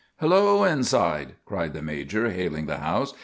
"Hello, inside!" cried the major, hailing the house.